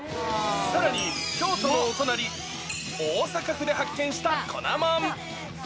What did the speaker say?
さらに、京都のお隣、大阪府で発見した粉もん。